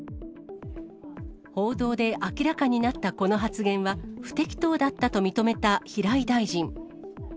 報道で明らかになったこの発言は、不適当だったと認めた平井大臣。